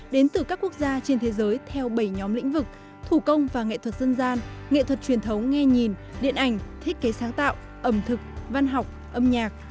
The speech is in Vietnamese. đến từ các quốc gia trên thế giới theo bảy nhóm lĩnh vực thủ công và nghệ thuật dân gian nghệ thuật truyền thống nghe nhìn điện ảnh thiết kế sáng tạo ẩm thực văn học âm nhạc